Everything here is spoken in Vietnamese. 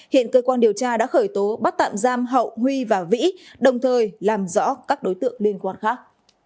hiện cơ quan điều tra đã khởi tố bắt tạm giam hậu huy và vĩ đồng thời làm rõ các đối tượng liên quan khác